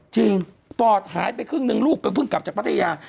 ปอดหายไปครึ่งหนึ่งลูกไปเพิ่งกลับจากพัทยา